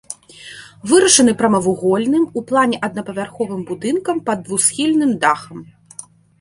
Вырашаны прамавугольным у плане аднапавярховым будынкам пад двухсхільным дахам.